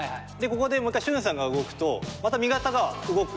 ここでもう一回俊さんが動くとまた味方が動く。